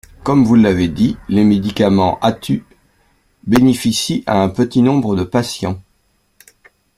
Comme vous l’avez dit, les médicaments ATU bénéficient à un petit nombre de patients.